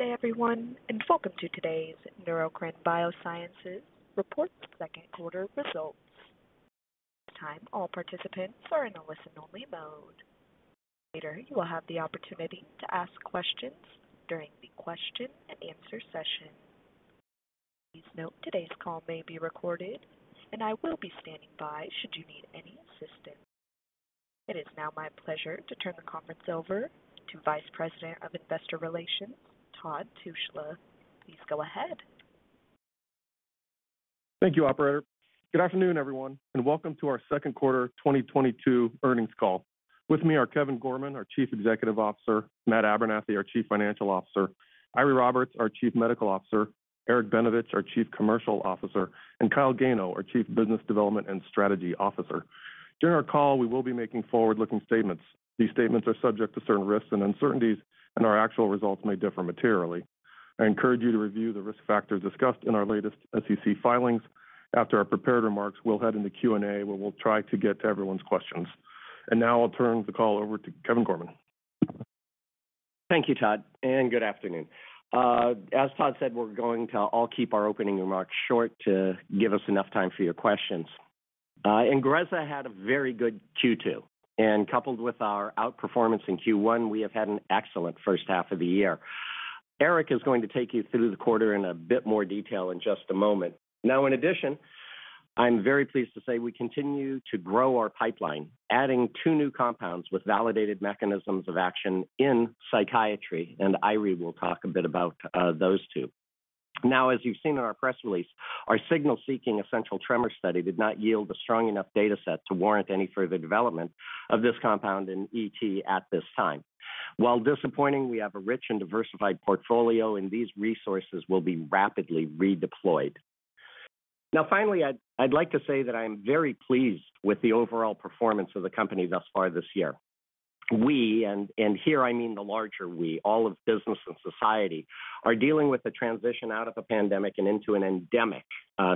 Good day, everyone, and welcome to today's Neurocrine Biosciences Report Second Quarter Results. At this time, all participants are in a listen-only mode. Later, you will have the opportunity to ask questions during the question and answer session. Please note today's call may be recorded, and I will be standing by should you need any assistance. It is now my pleasure to turn the conference over to Vice President of Investor Relations, Todd Tushla. Please go ahead. Thank you, operator. Good afternoon, everyone, and welcome to our second quarter 2022 earnings call. With me are Kevin Gorman, our Chief Executive Officer, Matt Abernethy, our Chief Financial Officer, Eiry Roberts, our Chief Medical Officer, Eric Benevich, our Chief Commercial Officer, and Kyle Gano, our Chief Business Development and Strategy Officer. During our call, we will be making forward-looking statements. These statements are subject to certain risks and uncertainties, and our actual results may differ materially. I encourage you to review the risk factors discussed in our latest SEC filings. After our prepared remarks, we'll head into Q&A, where we'll try to get to everyone's questions. Now I'll turn the call over to Kevin Gorman. Thank you, Todd, and good afternoon. As Todd said, we're going to all keep our opening remarks short to give us enough time for your questions. Ingrezza had a very good Q2, and coupled with our outperformance in Q1, we have had an excellent first half of the year. Eric is going to take you through the quarter in a bit more detail in just a moment. Now, in addition, I'm very pleased to say we continue to grow our pipeline, adding two new compounds with validated mechanisms of action in psychiatry, and Eiry will talk a bit about those two. Now, as you've seen in our press release, our signal-seeking essential tremor study did not yield a strong enough data set to warrant any further development of this compound in ET at this time. While disappointing, we have a rich and diversified portfolio, and these resources will be rapidly redeployed. Now, finally, I'd like to say that I am very pleased with the overall performance of the company thus far this year. We and here I mean the larger we, all of business and society, are dealing with the transition out of a pandemic and into an endemic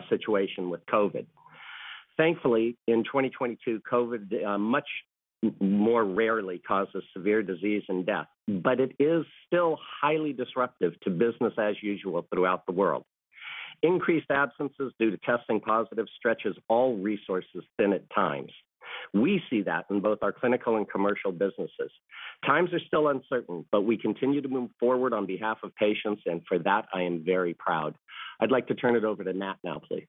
situation with COVID. Thankfully, in 2022, COVID much more rarely causes severe disease and death, but it is still highly disruptive to business as usual throughout the world. Increased absences due to testing positive stretches all resources thin at times. We see that in both our clinical and commercial businesses. Times are still uncertain, but we continue to move forward on behalf of patients, and for that I am very proud. I'd like to turn it over to Matt now, please.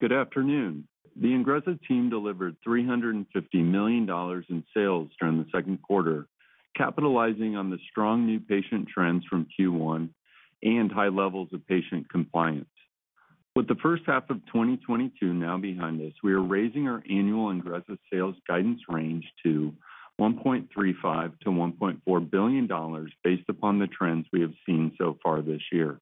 Good afternoon. The Ingrezza team delivered $350 million in sales during the second quarter, capitalizing on the strong new patient trends from Q1 and high levels of patient compliance. With the first half of 2022 now behind us, we are raising our annual Ingrezza sales guidance range to $1.35 billion-$1.4 billion based upon the trends we have seen so far this year.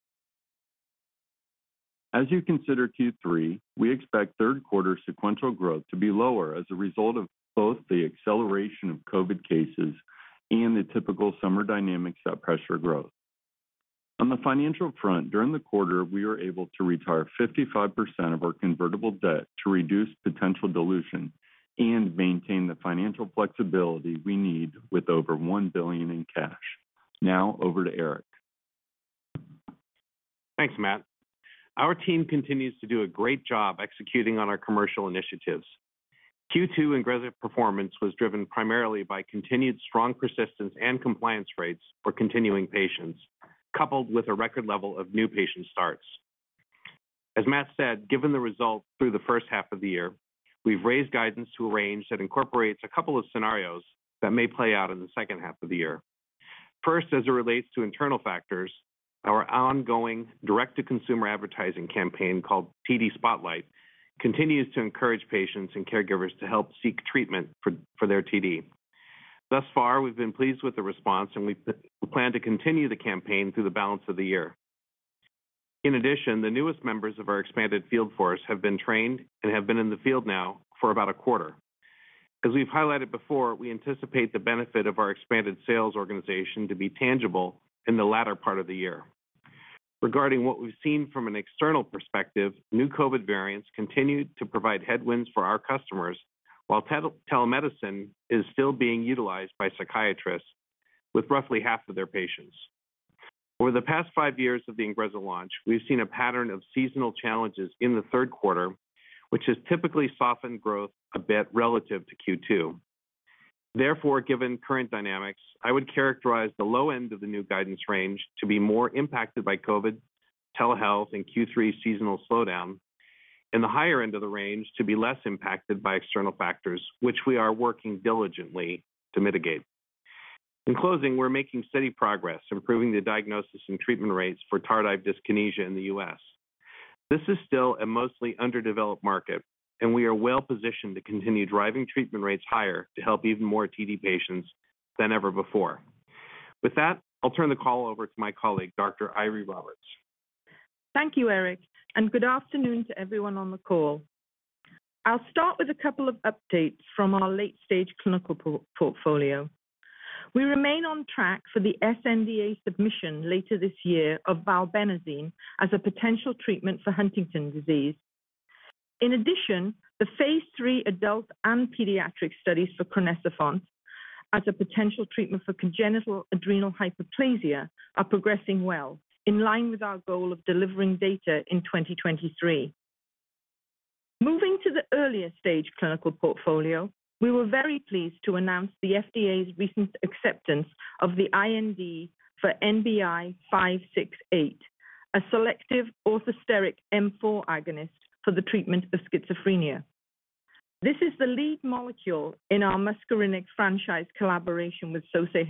As you consider Q3, we expect third quarter sequential growth to be lower as a result of both the acceleration of COVID cases and the typical summer dynamics that pressure growth. On the financial front, during the quarter, we were able to retire 55% of our convertible debt to reduce potential dilution and maintain the financial flexibility we need with over $1 billion in cash. Now over to Eric. Thanks, Matt. Our team continues to do a great job executing on our commercial initiatives. Q2 Ingrezza performance was driven primarily by continued strong persistence and compliance rates for continuing patients, coupled with a record level of new patient starts. As Matt said, given the results through the first half of the year, we've raised guidance to a range that incorporates a couple of scenarios that may play out in the second half of the year. First, as it relates to internal factors, our ongoing direct-to-consumer advertising campaign called TD Spotlight continues to encourage patients and caregivers to help seek treatment for their TD. Thus far, we've been pleased with the response, and we plan to continue the campaign through the balance of the year. In addition, the newest members of our expanded field force have been trained and have been in the field now for about a quarter. As we've highlighted before, we anticipate the benefit of our expanded sales organization to be tangible in the latter part of the year. Regarding what we've seen from an external perspective, new COVID variants continue to provide headwinds for our customers, while telemedicine is still being utilized by psychiatrists with roughly half of their patients. Over the past five years of the Ingrezza launch, we've seen a pattern of seasonal challenges in the third quarter, which has typically softened growth a bit relative to Q2. Therefore, given current dynamics, I would characterize the low end of the new guidance range to be more impacted by COVID, telehealth, and Q3 seasonal slowdown, and the higher end of the range to be less impacted by external factors, which we are working diligently to mitigate. In closing, we're making steady progress improving the diagnosis and treatment rates for tardive dyskinesia in the U.S. This is still a mostly underdeveloped market, and we are well positioned to continue driving treatment rates higher to help even more TD patients than ever before. With that, I'll turn the call over to my colleague, Dr. Eiry Roberts. Thank you, Eric, and good afternoon to everyone on the call. I'll start with a couple of updates from our late-stage clinical portfolio. We remain on track for the sNDA submission later this year of valbenazine as a potential treatment for Huntington's disease. In addition, the phase three adult and pediatric studies for crinecerfont as a potential treatment for congenital adrenal hyperplasia are progressing well, in line with our goal of delivering data in 2023. Moving to the earlier stage clinical portfolio, we were very pleased to announce the FDA's recent acceptance of the IND for NBI-1117568, a selective orthosteric M4 agonist for the treatment of schizophrenia. This is the lead molecule in our muscarinic franchise collaboration with Sosei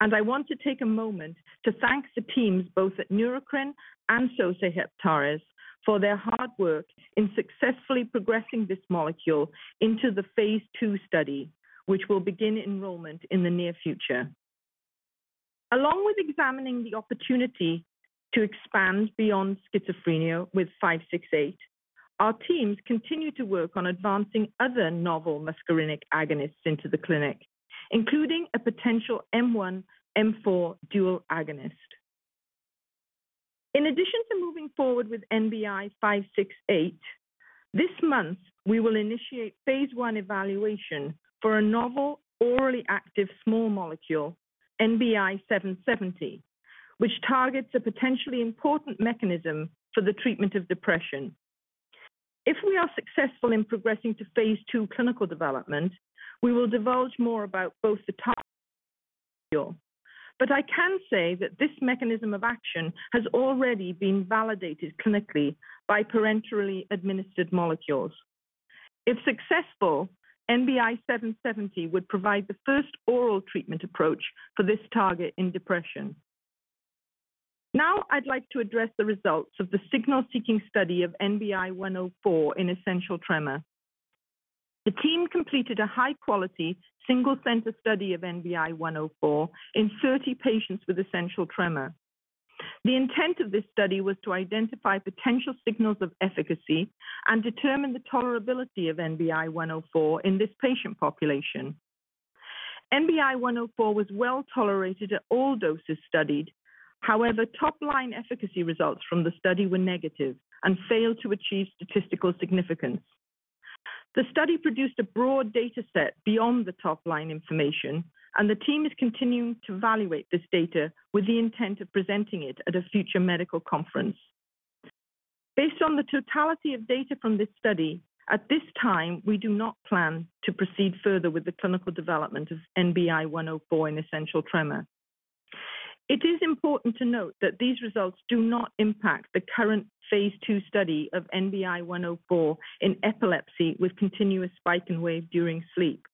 Heptares. I want to take a moment to thank the teams both at Neurocrine and Sosei Heptares for their hard work in successfully progressing this molecule into the phase two study, which will begin enrollment in the near future. Along with examining the opportunity to expand beyond schizophrenia with five six eight, our teams continue to work on advancing other novel muscarinic agonists into the clinic, including a potential M1M4 dual agonist. In addition to moving forward with NBI-1117568, this month we will initiate phase one evaluation for a novel orally active small molecule, NBI-1070770, which targets a potentially important mechanism for the treatment of depression. If we are successful in progressing to phase two clinical development, we will divulge more about both the target. But I can say that this mechanism of action has already been validated clinically by parenterally administered molecules. If successful, NBI-1070770 would provide the first oral treatment approach for this target in depression. Now, I'd like to address the results of the signal-seeking study of NBI-827104 in essential tremor. The team completed a high-quality single-center study of NBI-827104 in 30 patients with essential tremor. The intent of this study was to identify potential signals of efficacy and determine the tolerability of NBI-827104 in this patient population. NBI-827104 was well-tolerated at all doses studied. However, top-line efficacy results from the study were negative and failed to achieve statistical significance. The study produced a broad data set beyond the top-line information, and the team is continuing to evaluate this data with the intent of presenting it at a future medical conference. Based on the totality of data from this study, at this time, we do not plan to proceed further with the clinical development of NBI-827104 in essential tremor. It is important to note that these results do not impact the current phase two study of NBI-827104 in epilepsy with Continuous spikes and waves during sleep.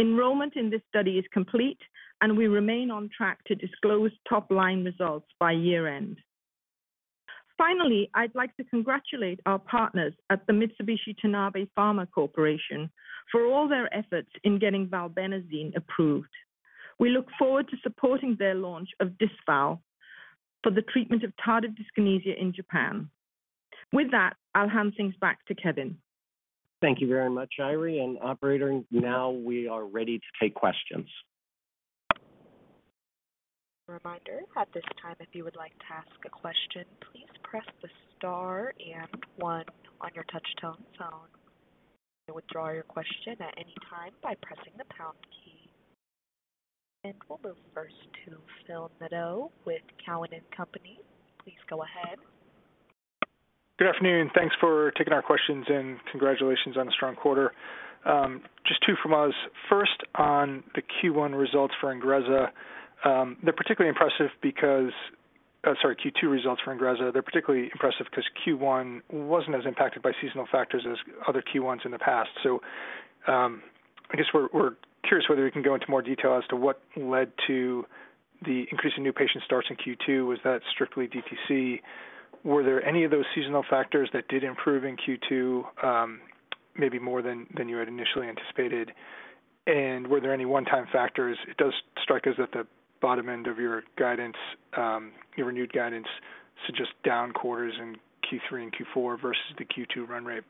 Enrollment in this study is complete, and we remain on track to disclose top-line results by year-end. Finally, I'd like to congratulate our partners at the Mitsubishi Tanabe Pharma Corporation for all their efforts in getting valbenazine approved. We look forward to supporting their launch of Dysval for the treatment of tardive dyskinesia in Japan. With that, I'll hand things back to Kevin. Thank you very much, Eiry. Operator, now we are ready to take questions. Reminder. At this time, if you would like to ask a question, please press the star and one on your touch-tone phone. You may withdraw your question at any time by pressing the pound key. We'll move first to Philip Nadeau with Cowen and Company. Please go ahead. Good afternoon. Thanks for taking our questions, and congratulations on a strong quarter. Just two from us. First, on the Q2 results for Ingrezza, they're particularly impressive 'cause Q1 wasn't as impacted by seasonal factors as other Q1's in the past. I guess we're curious whether you can go into more detail as to what led to the increase in new patient starts in Q2. Was that strictly DTC? Were there any of those seasonal factors that did improve in Q2, maybe more than you had initially anticipated? And were there any one-time factors? It does strike us at the bottom end of your guidance, your renewed guidance suggest down quarters in Q3 and Q4 versus the Q2 run rate.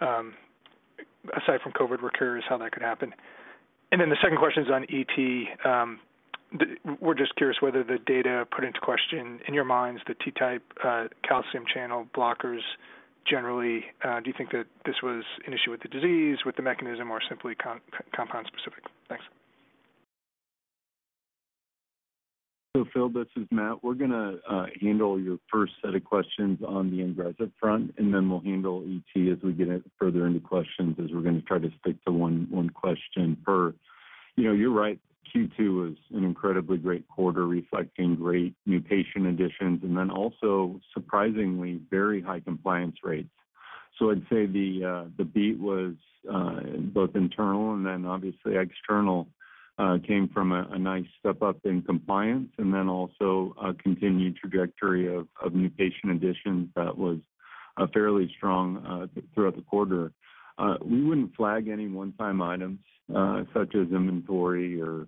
Aside from COVID, we're curious how that could happen. The second question is on ET. We're just curious whether the data put into question in your minds the T-type calcium channel blockers generally. Do you think that this was an issue with the disease, with the mechanism, or simply compound specific? Thanks. Phil, this is Matt. We're gonna handle your first set of questions on the Ingrezza front, and then we'll handle ET as we get further into questions as we're gonna try to stick to one question per. You know, you're right. Q2 was an incredibly great quarter, reflecting great new patient additions and then also surprisingly very high compliance rates. I'd say the beat was both internal and then obviously external came from a nice step up in compliance and then also a continued trajectory of new patient additions that was fairly strong throughout the quarter. We wouldn't flag any one-time items such as inventory or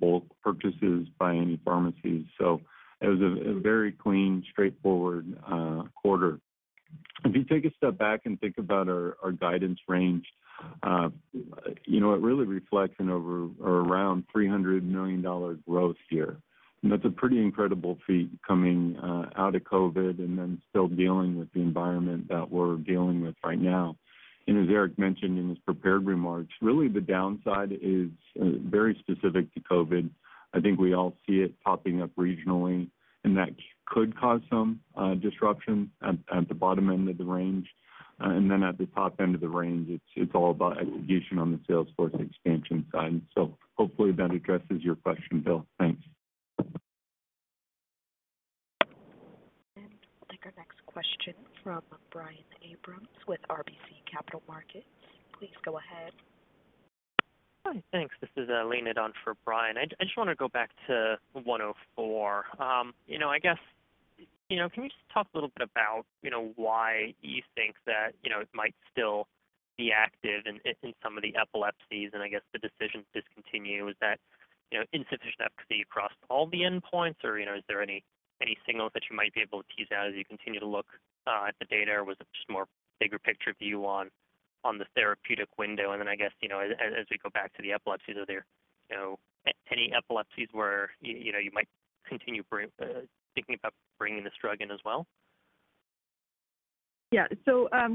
bulk purchases by any pharmacies. It was a very clean, straightforward quarter. If you take a step back and think about our guidance range, you know, it really reflects an over or around $300 million growth year. That's a pretty incredible feat coming out of COVID and then still dealing with the environment that we're dealing with right now. As Eric mentioned in his prepared remarks, really the downside is very specific to COVID. I think we all see it popping up regionally, and that could cause some disruption at the bottom end of the range. At the top end of the range, it's all about execution on the sales force expansion side. Hopefully that addresses your question, Phil. Thanks. I'll take our next question from Brian Abrahams with RBC Capital Markets. Please go ahead. Hi. Thanks. This is Leon Wang for Brian. I just wanna go back to 104. You know, I guess, you know, can you just talk a little bit about, you know, why you think that, you know, it might still be active in some of the epilepsies, and I guess the decision to discontinue, was that, you know, insufficient efficacy across all the endpoints? Or, you know, is there any signals that you might be able to tease out as you continue to look at the data? Or was it just more bigger picture view on the therapeutic window? And then I guess, you know, as we go back to the epilepsies, are there any epilepsies where you know you might continue thinking about bringing this drug in as well? Yeah.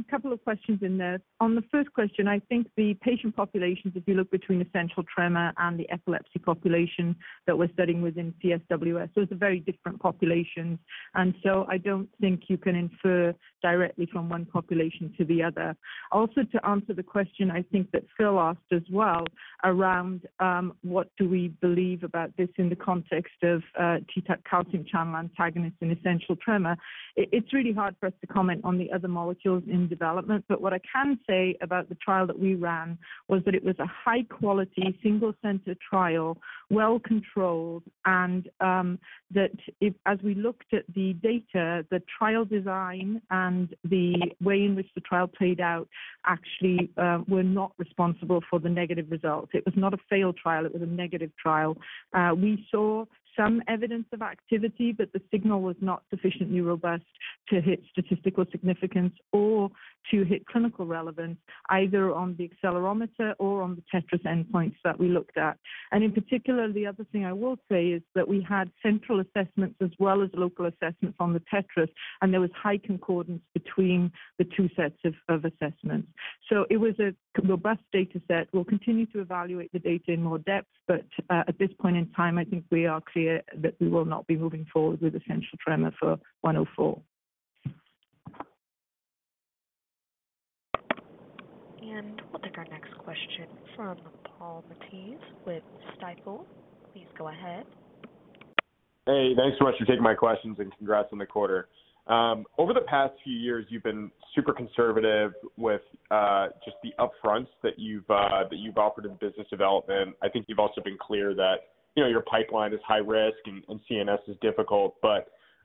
Couple of questions in there. On the first question, I think the patient populations, if you look between essential tremor and the epilepsy population that we're studying within CSWS, those are very different populations. I don't think you can infer directly from one population to the other. Also, to answer the question I think that Phil asked as well around what do we believe about this in the context of T-type calcium channel antagonist in essential tremor, it's really hard for us to comment on the other molecules in development. But what I can say about the trial that we ran was that it was a high quality, single-center trial, well controlled, and that as we looked at the data, the trial design and the way in which the trial played out actually were not responsible for the negative results. It was not a failed trial, it was a negative trial. We saw some evidence of activity, but the signal was not sufficiently robust to hit statistical significance or to hit clinical relevance, either on the accelerometer or on the TETRAS endpoints that we looked at. In particular, the other thing I will say is that we had central assessments as well as local assessments on the TETRAS, and there was high concordance between the two sets of assessments. It was a robust data set. We'll continue to evaluate the data in more depth, but at this point in time, I think we are clear that we will not be moving forward with Essential Tremor for one zero four. We'll take our next question from Paul Matteis with Stifel. Please go ahead. Hey, thanks so much for taking my questions and congrats on the quarter. Over the past few years, you've been super conservative with just the upfronts that you've offered in business development. I think you've also been clear that, you know, your pipeline is high risk and CNS is difficult.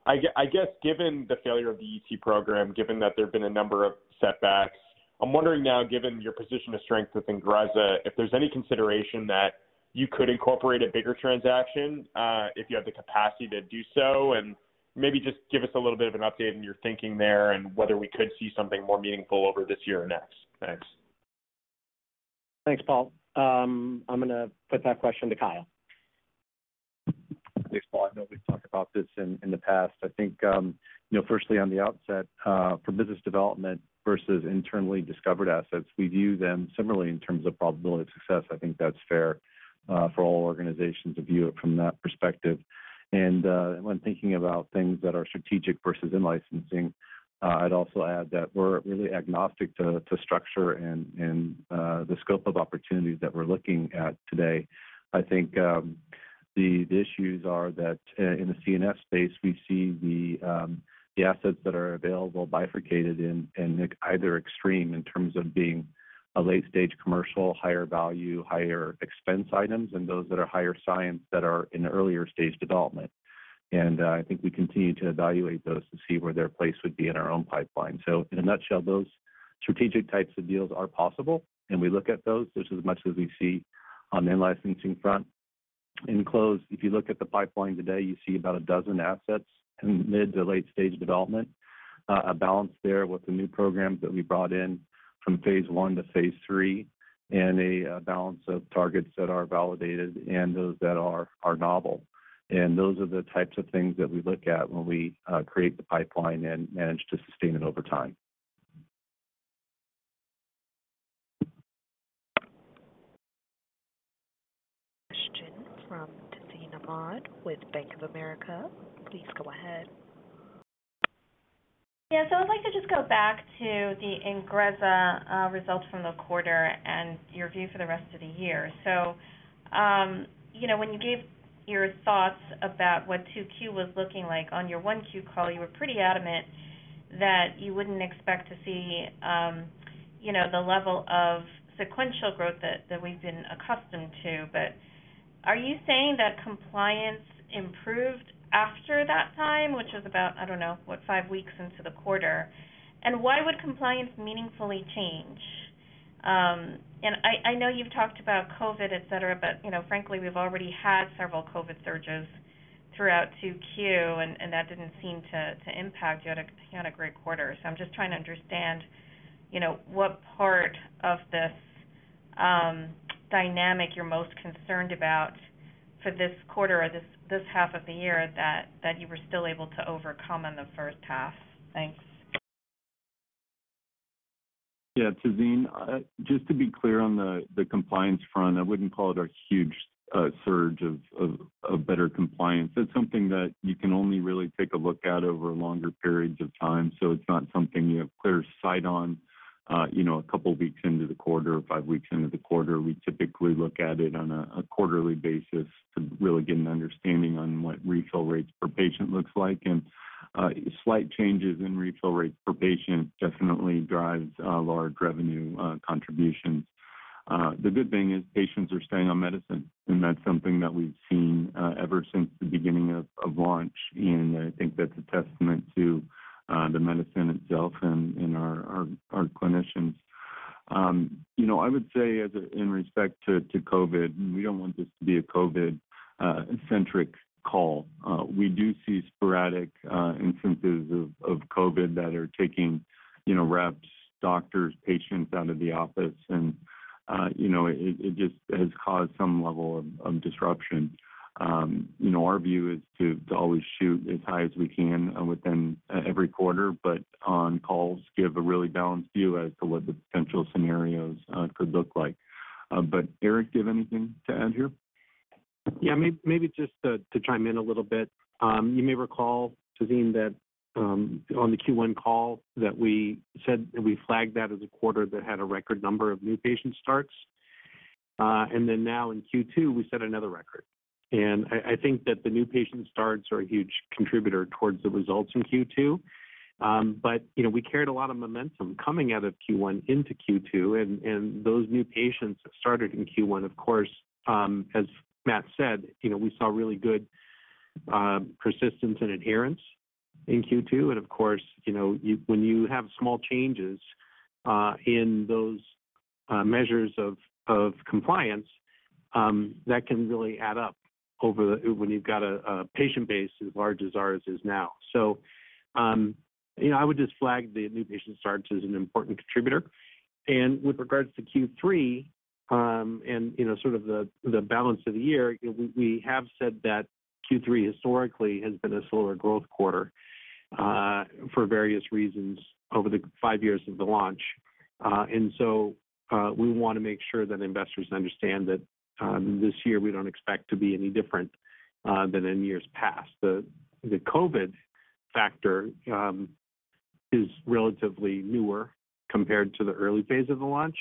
I guess given the failure of the ET program, given that there have been a number of setbacks, I'm wondering now, given your position of strength with Ingrezza, if there's any consideration that you could incorporate a bigger transaction, if you have the capacity to do so. Maybe just give us a little bit of an update on your thinking there and whether we could see something more meaningful over this year or next. Thanks. Thanks, Paul. I'm gonna put that question to Kyle. Thanks, Paul. I know we've talked about this in the past. I think you know, firstly on the outset, for business development versus internally discovered assets, we view them similarly in terms of probability of success. I think that's fair for all organizations to view it from that perspective. When thinking about things that are strategic versus in-licensing, I'd also add that we're really agnostic to structure and the scope of opportunities that we're looking at today. I think the issues are that in the CNS space, we see the assets that are available bifurcated in either extreme in terms of being a late-stage commercial, higher value, higher expense items and those that are higher science that are in earlier stage development. I think we continue to evaluate those to see where their place would be in our own pipeline. In a nutshell, those strategic types of deals are possible, and we look at those just as much as we see on in-licensing front. In closing, if you look at the pipeline today, you see about a dozen assets in mid- to late-stage development, a balance there with the new programs that we brought in from phase one to phase three, and a balance of targets that are validated and those that are novel. Those are the types of things that we look at when we create the pipeline and manage to sustain it over time. Question from Tazeen Ahmad with Bank of America. Please go ahead. Yeah. I'd like to just go back to the Ingrezza results from the quarter and your view for the rest of the year. You know, when you gave your thoughts about what 2Q was looking like on your 1Q call, you were pretty adamant that you wouldn't expect to see, you know, the level of sequential growth that we've been accustomed to. Are you saying that compliance improved after that time, which was about, I don't know, five weeks into the quarter? Why would compliance meaningfully change? I know you've talked about COVID, et cetera, but, you know, frankly, we've already had several COVID surges throughout 2Q, and that didn't seem to impact. You had a great quarter. I'm just trying to understand, you know, what part of this dynamic you're most concerned about for this quarter or this half of the year that you were still able to overcome in the first half. Thanks. Yeah. Tazeen, just to be clear on the compliance front, I wouldn't call it a huge surge of better compliance. That's something that you can only really take a look at over longer periods of time. So it's not something you have clear sight on, you know, a couple weeks into the quarter or five weeks into the quarter. We typically look at it on a quarterly basis to really get an understanding on what refill rates per patient looks like. Slight changes in refill rates per patient definitely drives a large revenue contribution. The good thing is patients are staying on medicine, and that's something that we've seen ever since the beginning of launch. I think that's a testament to the medicine itself and our clinicians. You know, I would say in respect to COVID and we don't want this to be a COVID centric call. We do see sporadic instances of COVID that are taking you know, reps, doctors, patients out of the office and you know, it just has caused some level of disruption. You know, our view is to always shoot as high as we can within every quarter, but on calls, give a really balanced view as to what the potential scenarios could look like. Eric, do you have anything to add here? Yeah, maybe just to chime in a little bit. You may recall, Tazeen, that on the Q1 call that we said that we flagged that as a quarter that had a record number of new patient starts. Then now in Q2, we set another record. I think that the new patient starts are a huge contributor towards the results in Q2. But you know, we carried a lot of momentum coming out of Q1 into Q2, and those new patients that started in Q1, of course, as Matt said, you know, we saw really good persistence and adherence in Q2. Of course, you know, when you have small changes in those measures of compliance, that can really add up when you've got a patient base as large as ours is now. You know, I would just flag the new patient starts as an important contributor. With regards to Q3, you know, sort of the balance of the year, you know, we have said that Q3 historically has been a slower growth quarter for various reasons over the five years of the launch. We wanna make sure that investors understand that this year we don't expect to be any different than in years past. The COVID factor is relatively newer compared to the early phase of the launch.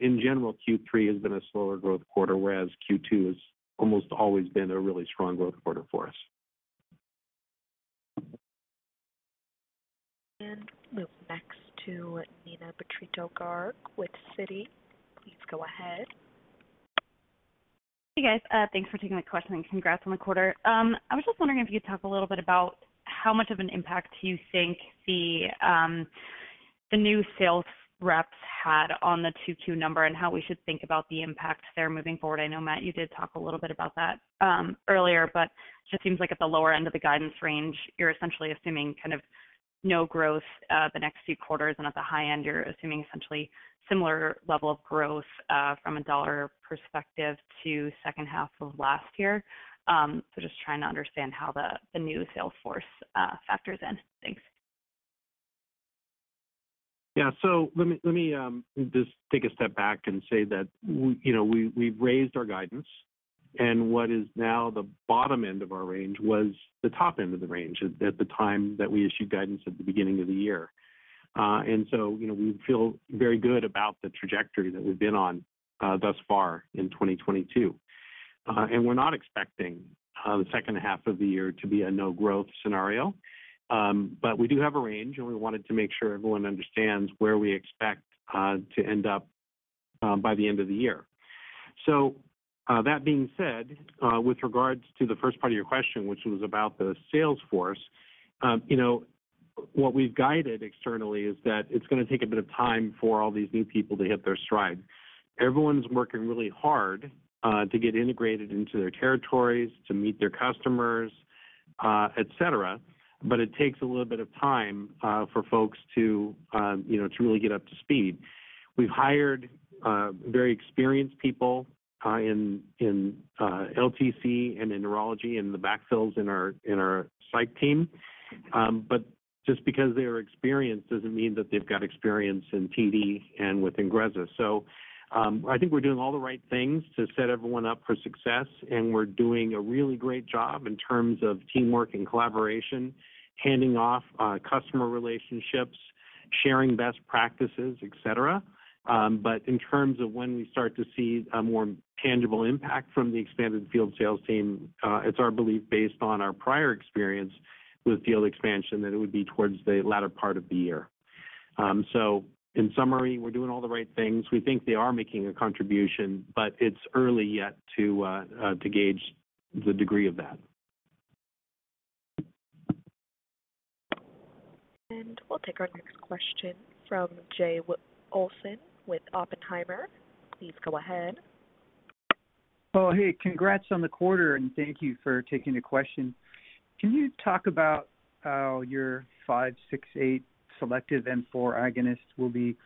In general, Q3 has been a slower growth quarter, whereas Q2 has almost always been a really strong growth quarter for us. Move next to Neena Bitritto-Garg with Citi. Please go ahead. Hey, guys. Thanks for taking my question, and congrats on the quarter. I was just wondering if you could talk a little bit about how much of an impact you think the new sales reps had on the 2Q number and how we should think about the impact there moving forward. I know, Matt, you did talk a little bit about that earlier, but just seems like at the lower end of the guidance range, you're essentially assuming kind of no growth the next few quarters, and at the high end, you're assuming essentially similar level of growth from a dollar perspective to second half of last year. Just trying to understand how the new sales force factors in. Thanks. Yeah. Let me just take a step back and say that you know, we've raised our guidance, and what is now the bottom end of our range was the top end of the range at the time that we issued guidance at the beginning of the year. You know, we feel very good about the trajectory that we've been on thus far in 2022. We're not expecting the second half of the year to be a no-growth scenario. But we do have a range, and we wanted to make sure everyone understands where we expect to end up by the end of the year. That being said, with regards to the first part of your question, which was about the sales force, you know, what we've guided externally is that it's gonna take a bit of time for all these new people to hit their stride. Everyone's working really hard to get integrated into their territories, to meet their customers, et cetera, but it takes a little bit of time for folks to, you know, to really get up to speed. We've hired very experienced people in LTC and in neurology and the backfills in our psych team. But just because they're experienced doesn't mean that they've got experience in TD and with Ingrezza. I think we're doing all the right things to set everyone up for success, and we're doing a really great job in terms of teamwork and collaboration, handing off customer relationships, sharing best practices, et cetera. In terms of when we start to see a more tangible impact from the expanded field sales team, it's our belief based on our prior experience with field expansion that it would be towards the latter part of the year. In summary, we're doing all the right things. We think they are making a contribution, but it's early yet to gauge the degree of that. We'll take our next question from Jay Olson with Oppenheimer. Please go ahead. Oh, hey, congrats on the quarter, and thank you for taking the question. Can you talk about how your five, six, eight selective M4 agonist will be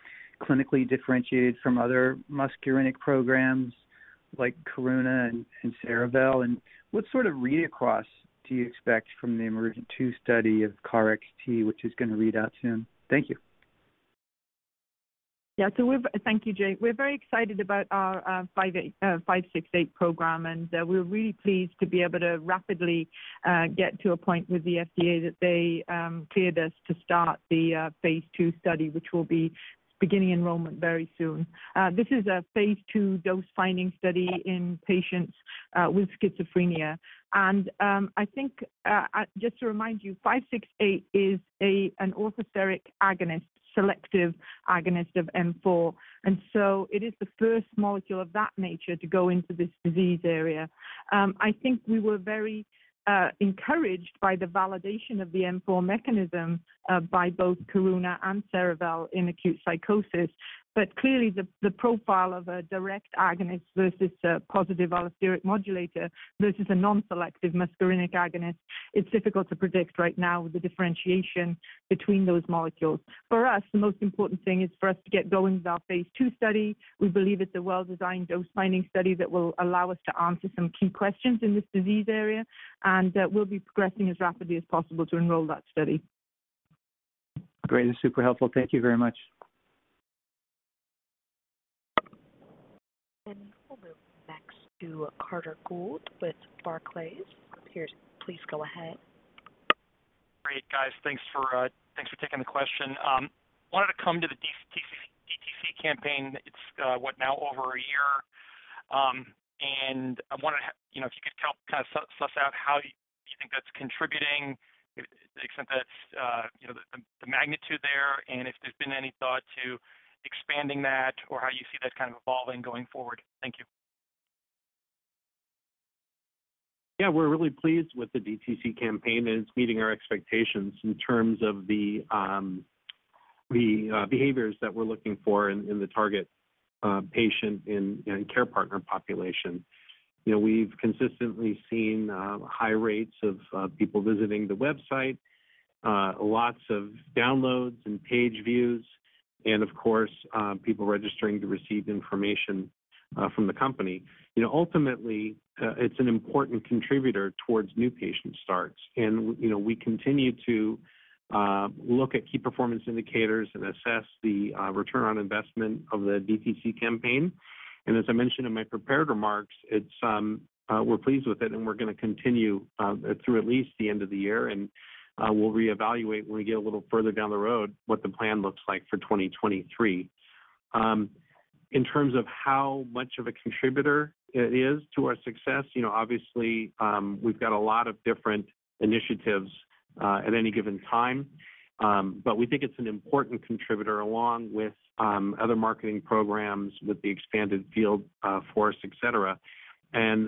clinically differentiated from other muscarinic programs like Karuna and Cerevel? What sort of read across do you expect from the EMERGENT-2 study of KarXT, which is gonna read out soon? Thank you. Thank you, Jay. We're very excited about our NBI-1117568 program, and we're really pleased to be able to rapidly get to a point with the FDA that they cleared us to start the phase two study, which will be beginning enrollment very soon. This is a phase two dose-finding study in patients with schizophrenia. I think just to remind you, NBI-1117568 is an orthosteric agonist, selective agonist of M4, and so it is the first molecule of that nature to go into this disease area. I think we were very encouraged by the validation of the M4 mechanism by both Karuna and Cerevel in acute psychosis. Clearly the profile of a direct agonist versus a positive allosteric modulator versus a non-selective muscarinic agonist, it's difficult to predict right now the differentiation between those molecules. For us, the most important thing is for us to get going with our phase two study. We believe it's a well-designed dose-finding study that will allow us to answer some key questions in this disease area, and we'll be progressing as rapidly as possible to enroll that study. Great. Super helpful. Thank you very much. We'll move next to Carter Gould with Barclays. Please go ahead. Great, guys. Thanks for taking the question. Wanted to come to the DTC campaign. It's what now? Over a year. I wanna you know, if you could help kind of suss out how you think that's contributing, the extent that you know, the magnitude there, and if there's been any thought to expanding that or how you see that kind of evolving going forward. Thank you. Yeah, we're really pleased with the DTC campaign. It's meeting our expectations in terms of the behaviors that we're looking for in the target patient and care partner population. You know, we've consistently seen high rates of people visiting the website, lots of downloads and page views and of course people registering to receive information from the company. You know, ultimately it's an important contributor towards new patient starts. You know, we continue to look at key performance indicators and assess the return on investment of the DTC campaign. As I mentioned in my prepared remarks, we're pleased with it, and we're gonna continue through at least the end of the year. We'll reevaluate when we get a little further down the road what the plan looks like for 2023. In terms of how much of a contributor it is to our success, you know, obviously, we've got a lot of different initiatives at any given time. We think it's an important contributor along with other marketing programs with the expanded field force, et cetera.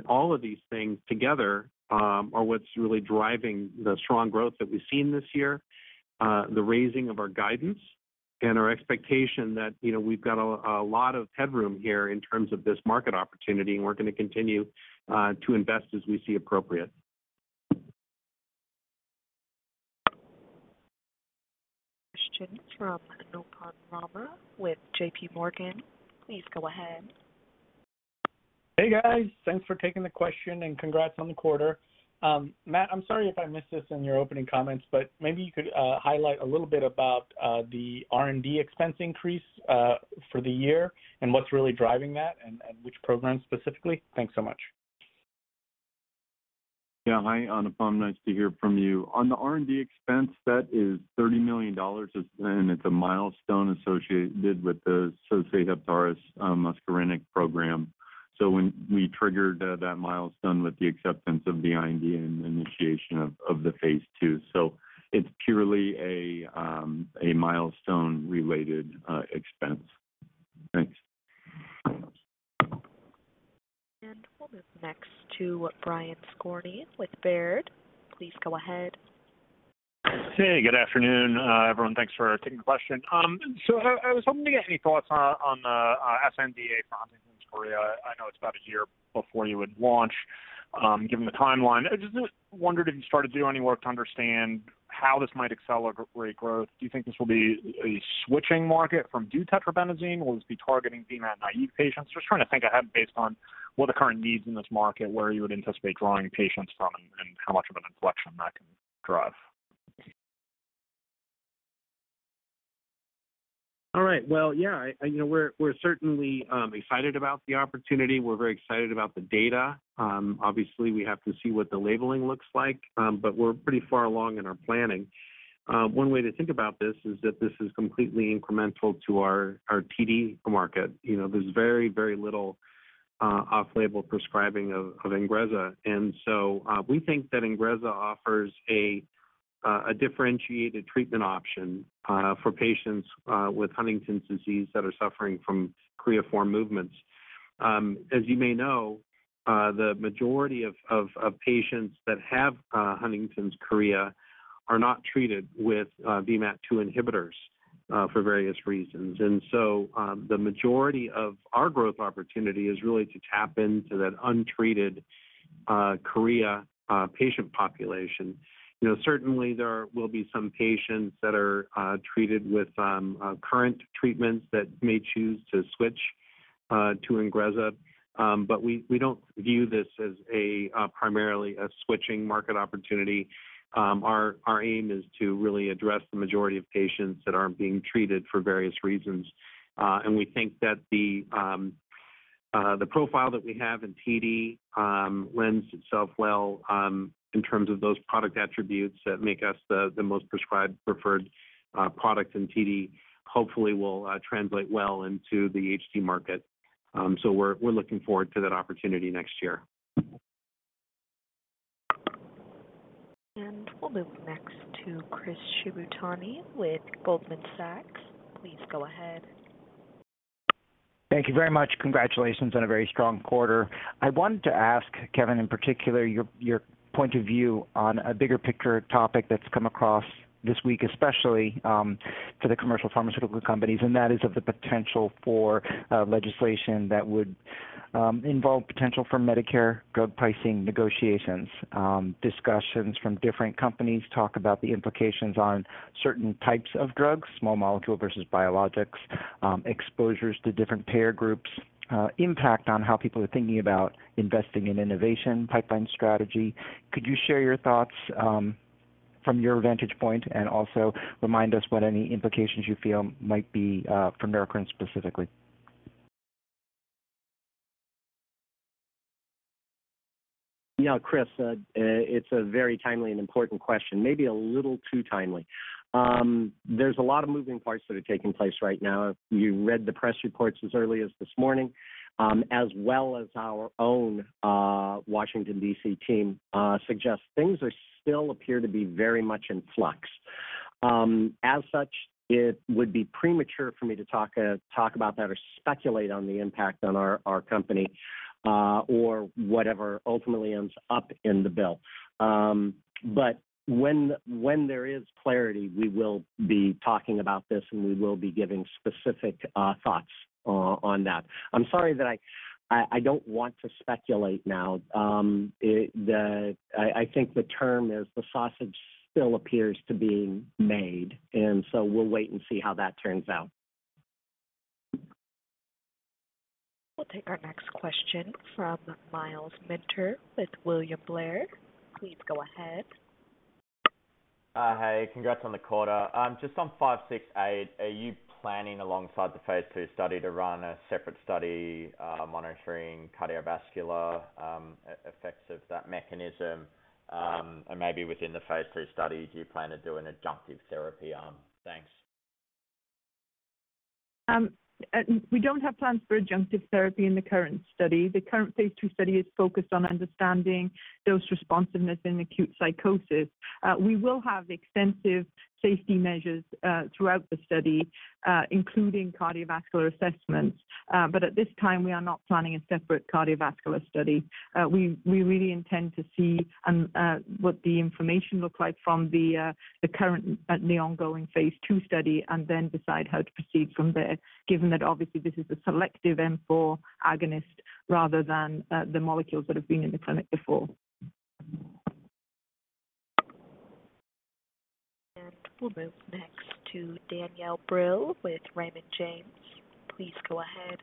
All of these things together are what's really driving the strong growth that we've seen this year, the raising of our guidance and our expectation that, you know, we've got a lot of headroom here in terms of this market opportunity, and we're gonna continue to invest as we see appropriate. Question from Anupam Rama with JPMorgan. Please go ahead. Hey, guys. Thanks for taking the question and congrats on the quarter. Matt, I'm sorry if I missed this in your opening comments, but maybe you could highlight a little bit about the R&D expense increase for the year and what's really driving that and which programs specifically. Thanks so much. Yeah. Hi, Anupam. Nice to hear from you. On the R&D expense, that is $30 million, and it's a milestone associated with the Sosei Heptares muscarinic program. When we triggered that milestone with the acceptance of the IND and initiation of the phase two. It's purely a milestone-related expense. Thanks. We'll move next to Brian Skorney with Baird. Please go ahead. Hey, good afternoon, everyone. Thanks for taking the question. I was hoping to get any thoughts on sNDA for Huntington's chorea. I know it's about a year before you would launch, given the timeline. I just wondered if you started to do any work to understand how this might accelerate growth. Do you think this will be a switching market from deutetrabenazine, or will this be targeting VMAT2-naive patients? Just trying to think ahead based on what are the current needs in this market, where you would anticipate drawing patients from, and how much of an inflection that can drive. All right. Well, yeah, you know, we're certainly excited about the opportunity. We're very excited about the data. Obviously, we have to see what the labeling looks like, but we're pretty far along in our planning. One way to think about this is that this is completely incremental to our TD market. You know, there's very little off-label prescribing of Ingrezza. We think that Ingrezza offers a differentiated treatment option for patients with Huntington's disease that are suffering from choreiform movements. As you may know, the majority of patients that have Huntington's chorea are not treated with VMAT2 inhibitors for various reasons. The majority of our growth opportunity is really to tap into that untreated chorea patient population. You know, certainly there will be some patients that are treated with current treatments that may choose to switch to Ingrezza. We don't view this as primarily a switching market opportunity. Our aim is to really address the majority of patients that aren't being treated for various reasons. We think that the profile that we have in TD lends itself well in terms of those product attributes that make us the most prescribed, preferred product in TD, hopefully will translate well into the HD market. We're looking forward to that opportunity next year. We'll move next to Chris Shibutani with Goldman Sachs. Please go ahead. Thank you very much. Congratulations on a very strong quarter. I wanted to ask Kevin, in particular, your point of view on a bigger picture topic that's come across this week, especially to the commercial pharmaceutical companies, and that is of the potential for legislation that would involve potential for Medicare drug pricing negotiations. Discussions from different companies talk about the implications on certain types of drugs, small molecule versus biologics, exposures to different payer groups, impact on how people are thinking about investing in innovation pipeline strategy. Could you share your thoughts from your vantage point, and also remind us what any implications you feel might be for Neurocrine specifically? Yeah, Chris, it's a very timely and important question, maybe a little too timely. There's a lot of moving parts that are taking place right now. If you read the press reports as early as this morning, as well as our own Washington, D.C. team, suggests things still appear to be very much in flux. As such, it would be premature for me to talk about that or speculate on the impact on our company, or whatever ultimately ends up in the bill. When there is clarity, we will be talking about this, and we will be giving specific thoughts on that. I'm sorry that I don't want to speculate now. I think the term is the sausage still appears to be being made, and so we'll wait and see how that turns out. We'll take our next question from Myles Minter with William Blair. Please go ahead. Hey. Congrats on the quarter. Just on NBI-1117568, are you planning alongside the phase two study to run a separate study, monitoring cardiovascular effects of that mechanism? Maybe within the phase three studies, do you plan to do an adjunctive therapy arm? Thanks. We don't have plans for adjunctive therapy in the current study. The current phase two study is focused on understanding dose responsiveness in acute psychosis. We will have extensive safety measures throughout the study, including cardiovascular assessments. At this time, we are not planning a separate cardiovascular study. We really intend to see what the information looks like from the current ongoing phase two study, and then decide how to proceed from there, given that obviously this is a selective M4 agonist rather than the molecules that have been in the clinic before. We'll move next to Danielle Brill with Raymond James. Please go ahead.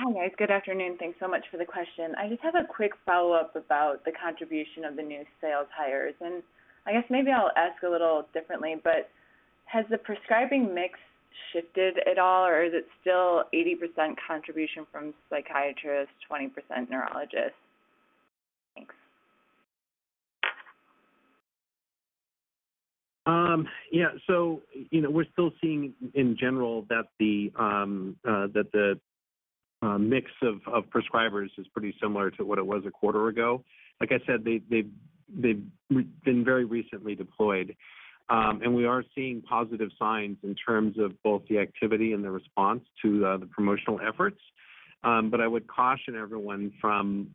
Hi, guys. Good afternoon. Thanks so much for the question. I just have a quick follow-up about the contribution of the new sales hires, and I guess maybe I'll ask a little differently, but has the prescribing mix shifted at all, or is it still 80% contribution from psychiatrists, 20% neurologists? Thanks. Yeah. You know, we're still seeing in general that the mix of prescribers is pretty similar to what it was a quarter ago. Like I said, they've been very recently deployed. We are seeing positive signs in terms of both the activity and the response to the promotional efforts. I would caution everyone from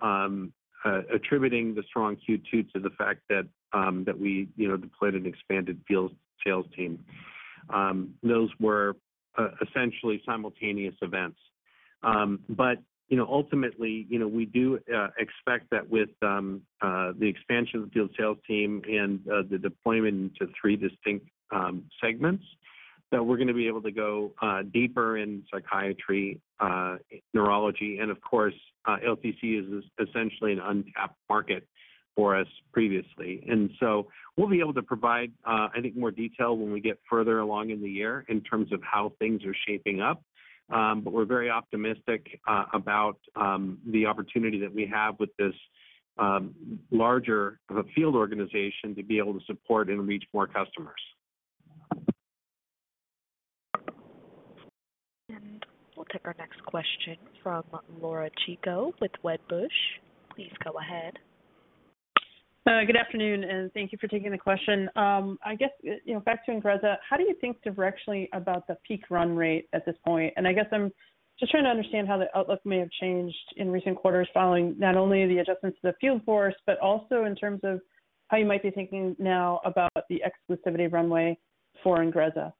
attributing the strong Q2 to the fact that we, you know, deployed an expanded field sales team. Those were essentially simultaneous events. You know, ultimately, you know, we do expect that with the expansion of the field sales team and the deployment into three distinct segments, that we're gonna be able to go deeper in psychiatry, neurology, and of course, LTC is essentially an untapped market for us previously. We'll be able to provide, I think, more detail when we get further along in the year in terms of how things are shaping up. We're very optimistic about the opportunity that we have with this larger of a field organization to be able to support and reach more customers. We'll take our next question from Laura Chico with Wedbush. Please go ahead. Good afternoon, and thank you for taking the question. I guess, you know, back to Ingrezza. How do you think directionally about the peak run rate at this point? I guess I'm just trying to understand how the outlook may have changed in recent quarters following not only the adjustments to the field force, but also in terms of how you might be thinking now about the exclusivity runway for Ingrezza.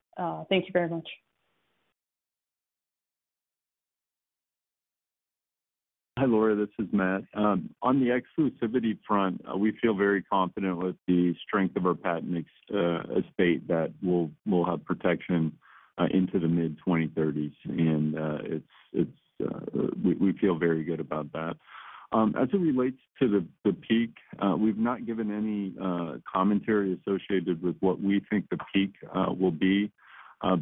Thank you very much. Hi, Laura, this is Matt. On the exclusivity front, we feel very confident with the strength of our patent estate that we'll have protection into the mid-2030s. We feel very good about that. As it relates to the peak, we've not given any commentary associated with what we think the peak will be.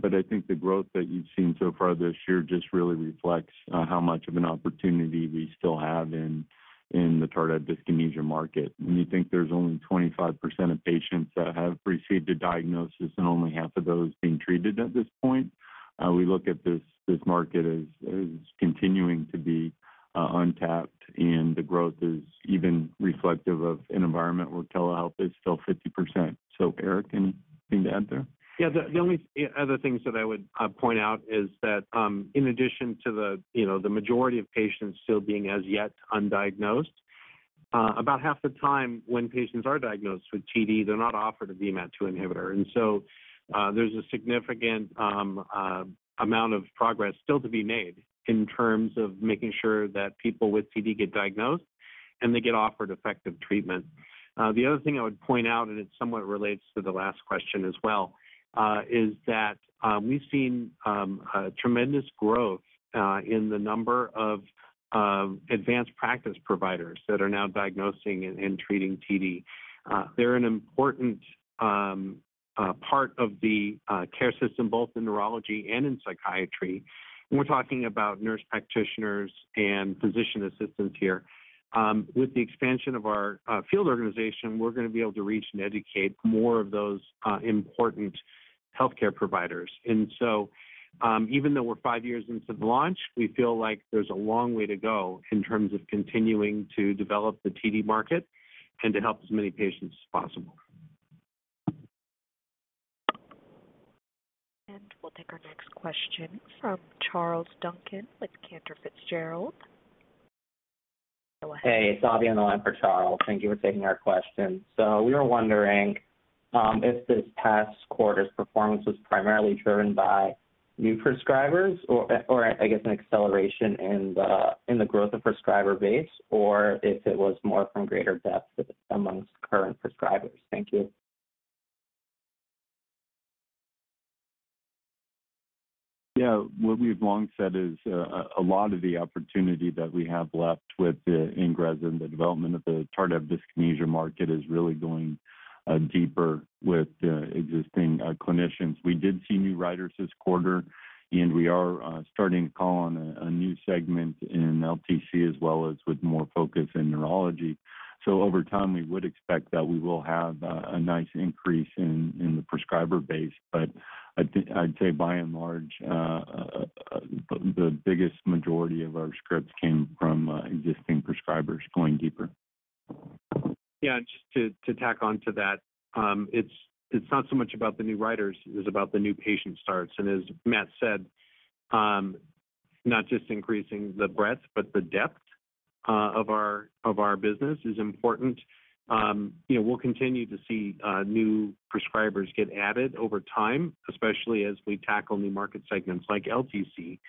But I think the growth that you've seen so far this year just really reflects how much of an opportunity we still have in the tardive dyskinesia market. When you think there's only 25% of patients that have received a diagnosis and only half of those being treated at this point, we look at this market as continuing to be untapped, and the growth is even reflective of an environment where telehealth is still 50%. Eric, anything to add there? Yeah. The only other things that I would point out is that in addition to you know the majority of patients still being as yet undiagnosed about half the time when patients are diagnosed with TD they're not offered a VMAT2 inhibitor. There's a significant amount of progress still to be made in terms of making sure that people with TD get diagnosed and they get offered effective treatment. The other thing I would point out and it somewhat relates to the last question as well is that we've seen tremendous growth in the number of advanced practice providers that are now diagnosing and treating TD. They're an important part of the care system both in neurology and in psychiatry. We're talking about nurse practitioners and physician assistants here. With the expansion of our field organization, we're gonna be able to reach and educate more of those important healthcare providers. Even though we're five years into the launch, we feel like there's a long way to go in terms of continuing to develop the TD market and to help as many patients as possible. We'll take our next question from Charles Duncan with Cantor Fitzgerald. Go ahead. Hey, it's Avi on the line for Charles. Thank you for taking our question. We were wondering if this past quarter's performance was primarily driven by new prescribers or I guess an acceleration in the growth of prescriber base or if it was more from greater depth amongst current prescribers. Thank you. Yeah. What we've long said is, a lot of the opportunity that we have left with the Ingrezza and the development of the tardive dyskinesia market is really going deeper with existing clinicians. We did see new writers this quarter, and we are starting to call on a new segment in LTC as well as with more focus in neurology. Over time, we would expect that we will have a nice increase in the prescriber base. I'd say by and large, the biggest majority of our scripts came from existing prescribers going deeper. Yeah. Just to tack on to that. It's not so much about the new writers as about the new patient starts. As Matt said, not just increasing the breadth, but the depth of our business is important. You know, we'll continue to see new prescribers get added over time, especially as we tackle new market segments like LTC.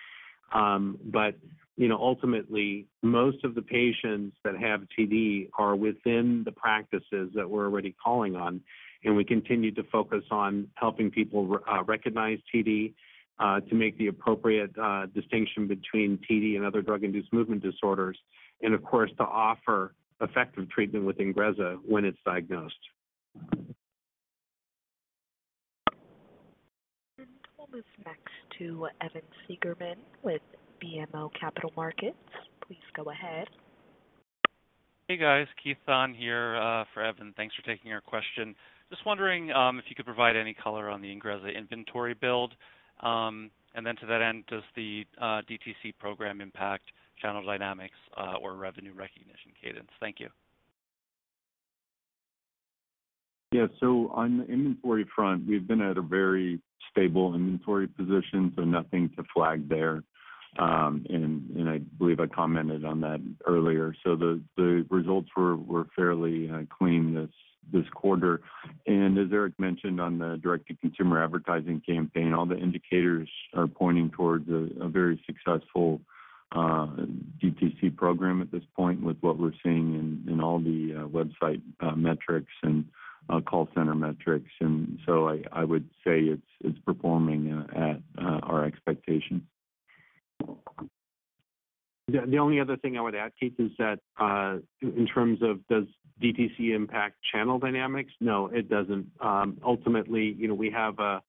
You know, ultimately, most of the patients that have TD are within the practices that we're already calling on, and we continue to focus on helping people recognize TD to make the appropriate distinction between TD and other drug-induced movement disorders and, of course, to offer effective treatment with Ingrezza when it's diagnosed. We'll move next to Evan Seigerman with BMO Capital Markets. Please go ahead. Hey, guys. Keith on here, for Evan. Thanks for taking our question. Just wondering, if you could provide any color on the Ingrezza inventory build. To that end, does the DTC program impact channel dynamics, or revenue recognition cadence? Thank you. Yeah. On the inventory front, we've been at a very stable inventory position, so nothing to flag there. And I believe I commented on that earlier. The results were fairly clean this quarter. As Eric mentioned on the direct-to-consumer advertising campaign, all the indicators are pointing towards a very successful DTC program at this point with what we're seeing in all the website metrics and call center metrics. I would say it's performing at our expectations. The only other thing I would add, Keith, is that in terms of does DTC impact channel dynamics, no, it doesn't. Ultimately, you know, we have a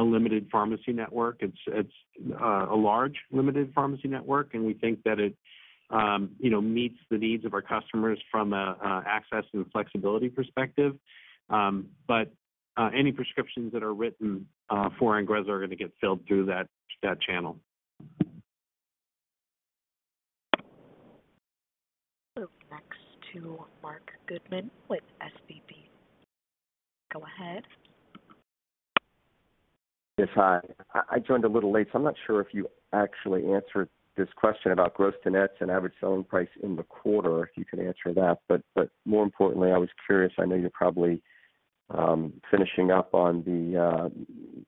limited pharmacy network. It's a large limited pharmacy network, and we think that it you know meets the needs of our customers from a access and flexibility perspective. Any prescriptions that are written for Ingrezza are gonna get filled through that channel. Move next to Marc Goodman with SVB. Go ahead. Yes. Hi. I joined a little late, so I'm not sure if you actually answered this question about gross to nets and average selling price in the quarter, if you could answer that. More importantly, I was curious. I know you're probably finishing up on the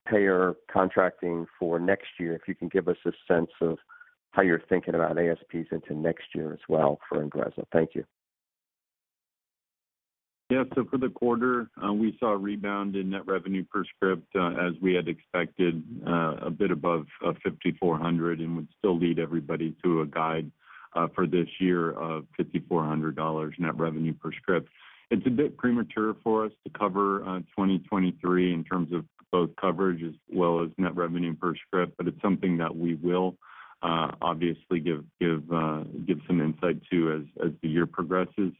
payer contracting for next year. If you can give us a sense of how you're thinking about ASPs into next year as well for Ingrezza? Thank you. Yeah. For the quarter, we saw a rebound in net revenue per script, as we had expected, a bit above $5,400, and would still lead everybody to a guide for this year of $5,400 net revenue per script. It's a bit premature for us to cover 2023 in terms of both coverage as well as net revenue per script, but it's something that we will obviously give some insight to as the year progresses.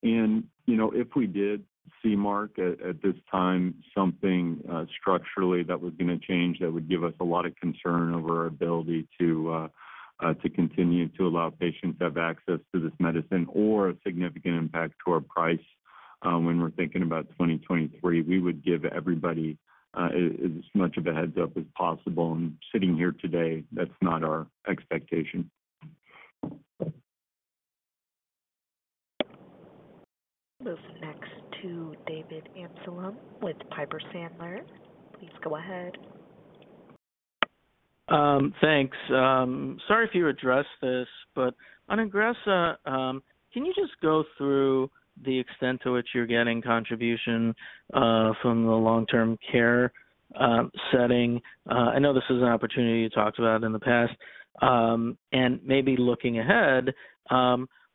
You know, if we did see markup at this time, something structurally that was gonna change, that would give us a lot of concern over our ability to continue to allow patients to have access to this medicine or a significant impact to our price, when we're thinking about 2023, we would give everybody as much of a heads-up as possible. Sitting here today, that's not our expectation. Move next to David Amsellem with Piper Sandler. Please go ahead. Thanks. Sorry if you addressed this, but on Ingrezza, can you just go through the extent to which you're getting contribution from the long-term care setting? I know this is an opportunity you talked about in the past. Maybe looking ahead,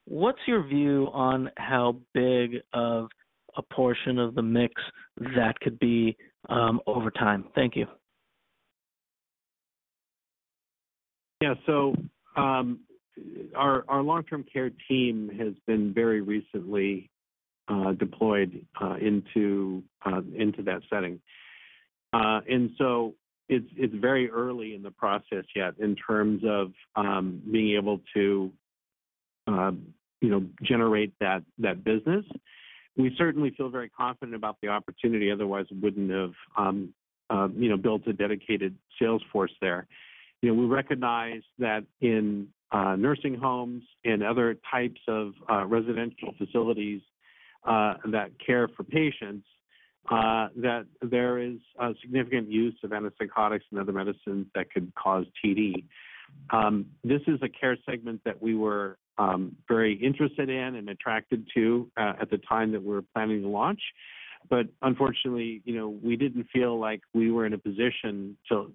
what's your view on how big of a portion of the mix that could be over time? Thank you. Our long-term care team has been very recently deployed into that setting. It's very early in the process yet in terms of being able to you know generate that business. We certainly feel very confident about the opportunity, otherwise we wouldn't have you know built a dedicated sales force there. You know, we recognize that in nursing homes and other types of residential facilities that care for patients that there is a significant use of antipsychotics and other medicines that could cause TD. This is a care segment that we were very interested in and attracted to at the time that we were planning to launch. Unfortunately, you know, we didn't feel like we were in a position to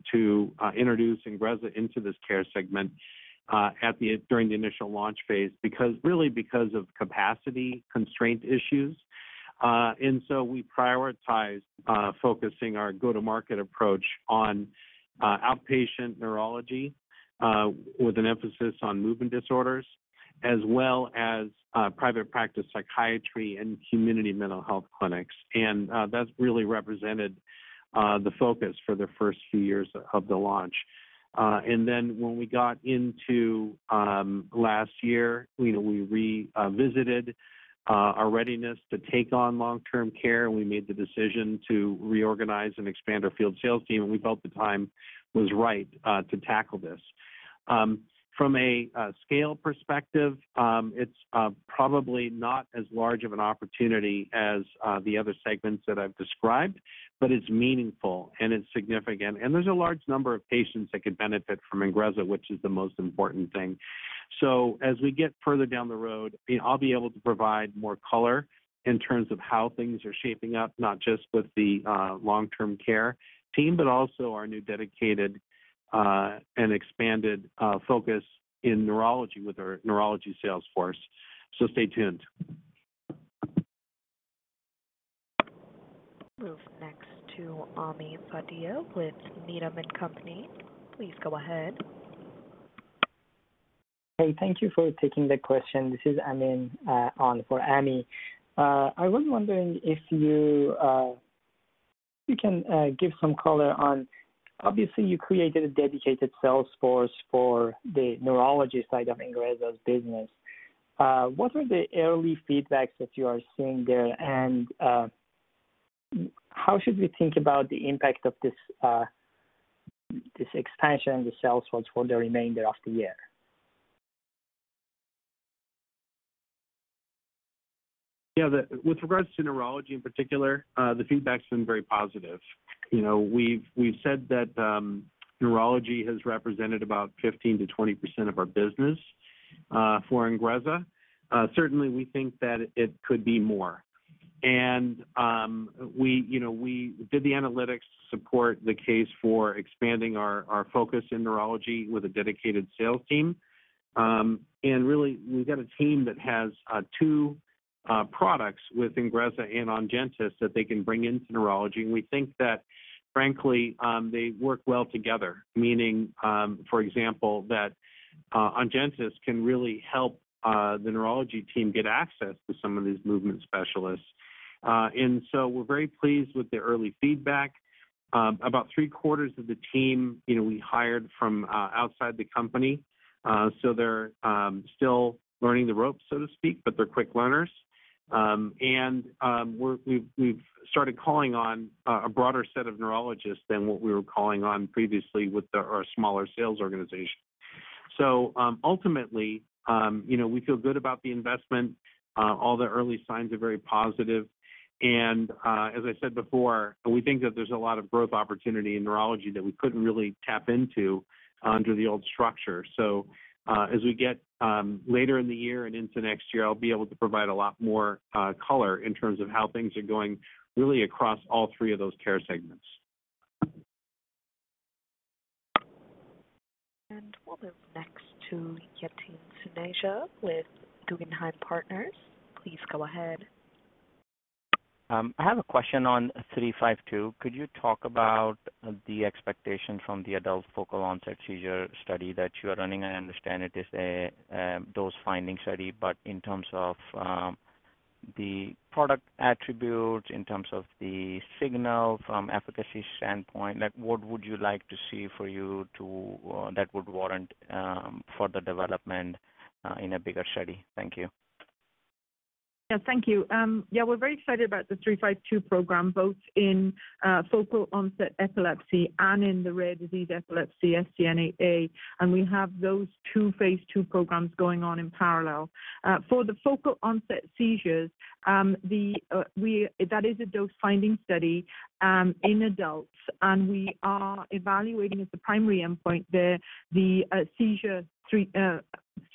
introduce Ingrezza into this care segment during the initial launch phase because really because of capacity constraint issues. So we prioritized focusing our go-to-market approach on outpatient neurology with an emphasis on movement disorders as well as private practice psychiatry and community mental health clinics. That's really represented the focus for the first few years of the launch. Then when we got into last year, you know, we revisited our readiness to take on long-term care, and we made the decision to reorganize and expand our field sales team, and we felt the time was right to tackle this. From a scale perspective, it's probably not as large of an opportunity as the other segments that I've described, but it's meaningful and it's significant. There's a large number of patients that could benefit from Ingrezza, which is the most important thing. As we get further down the road, I'll be able to provide more color in terms of how things are shaping up, not just with the long-term care team, but also our new dedicated and expanded focus in neurology with our neurology sales force. Stay tuned. Move next to Ami Fadia with Needham & Company. Please go ahead. Hey, thank you for taking the question. This is Amman on for Ami. I was wondering if you can give some color on. Obviously, you created a dedicated sales force for the neurology side of Ingrezza's business. What are the early feedbacks that you are seeing there? How should we think about the impact of this expansion of the sales force for the remainder of the year? Yeah. With regards to neurology in particular, the feedback's been very positive. You know, we've said that neurology has represented about 15%-20% of our business for Ingrezza. Certainly, we think that it could be more. You know, we did the analytics to support the case for expanding our focus in neurology with a dedicated sales team. Really, we've got a team that has two products with Ingrezza and Ongentys that they can bring into neurology. We think that, frankly, they work well together. Meaning, for example, that Ongentys can really help the neurology team get access to some of these movement specialists. We're very pleased with the early feedback. About three-quarters of the team, you know, we hired from outside the company, so they're still learning the ropes, so to speak, but they're quick learners. We've started calling on a broader set of neurologists than what we were calling on previously with our smaller sales organization. Ultimately, you know, we feel good about the investment. All the early signs are very positive. As I said before, we think that there's a lot of growth opportunity in neurology that we couldn't really tap into under the old structure. As we get later in the year and into next year, I'll be able to provide a lot more color in terms of how things are going really across all three of those care segments. We'll move next to Yatin Suneja with Guggenheim Partners. Please go ahead. I have a question on NBI-921352. Could you talk about the expectation from the adult focal onset seizure study that you are running? I understand it is a dose-finding study, but in terms of the product attribute, in terms of the signal from efficacy standpoint, like, what would you like to see that would warrant further development in a bigger study? Thank you. Yeah. Thank you. Yeah, we're very excited about the NBI-921352 program, both in focal onset epilepsy and in the rare disease epilepsy, SCN8A, and we have those two phase two programs going on in parallel. For the focal onset seizures, that is a dose-finding study in adults, and we are evaluating as the primary endpoint the seizure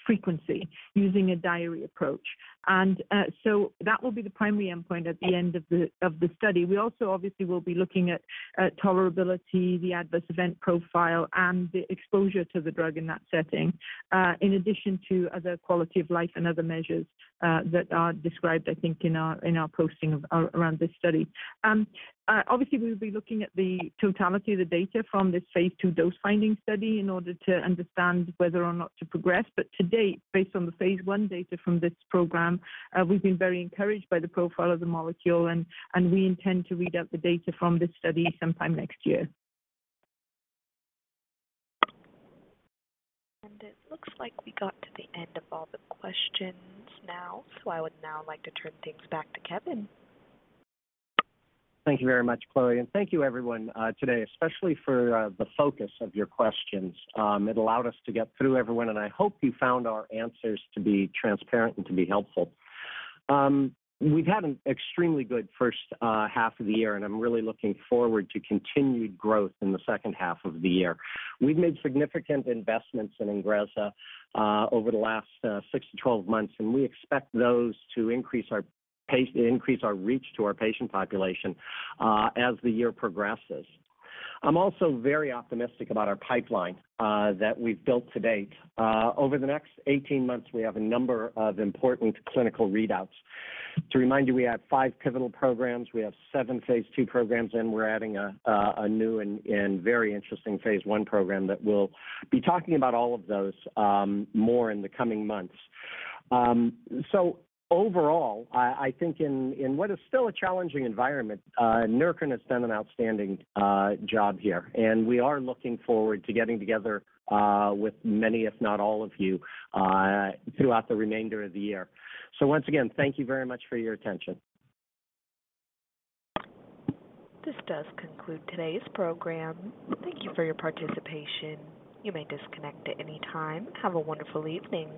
frequency using a diary approach. That will be the primary endpoint at the end of the study. We also obviously will be looking at tolerability, the adverse event profile, and the exposure to the drug in that setting, in addition to other quality of life and other measures that are described, I think, in our posting around this study. Obviously, we'll be looking at the totality of the data from this phase two dose-finding study in order to understand whether or not to progress. To date, based on the phase 1 data from this program, we've been very encouraged by the profile of the molecule, and we intend to read out the data from this study sometime next year. It looks like we got to the end of all the questions now. I would now like to turn things back to Kevin. Thank you very much, Chloe. Thank you everyone today, especially for the focus of your questions. It allowed us to get through everyone, and I hope you found our answers to be transparent and to be helpful. We've had an extremely good first half of the year, and I'm really looking forward to continued growth in the second half of the year. We've made significant investments in Ingrezza over the last 6-12 months, and we expect those to increase our reach to our patient population as the year progresses. I'm also very optimistic about our pipeline that we've built to date. Over the next 18 months, we have a number of important clinical readouts. To remind you, we have five pivotal programs, we have seven phase two programs, and we're adding a new and very interesting phase one program that we'll be talking about all of those more in the coming months. Overall, I think in what is still a challenging environment, Neurocrine has done an outstanding job here, and we are looking forward to getting together with many, if not all of you, throughout the remainder of the year. Once again, thank you very much for your attention. This does conclude today's program. Thank you for your participation. You may disconnect at any time. Have a wonderful evening.